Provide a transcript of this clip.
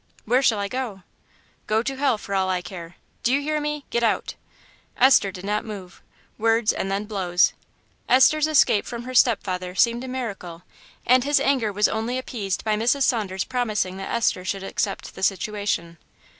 "Where shall I go?" "Go to hell for all I care. Do you hear me? Get out!" Esther did not move words, and then blows. Esther's escape from her stepfather seemed a miracle, and his anger was only appeased by Mrs. Saunders promising that Esther should accept the situation.